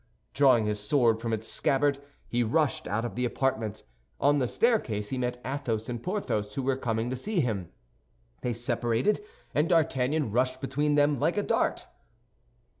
Drawing his sword from its scabbard, he rushed out of the apartment. On the staircase he met Athos and Porthos, who were coming to see him. They separated, and D'Artagnan rushed between them like a dart.